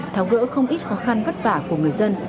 tháo gỡ không ít khó khăn vất vả của người dân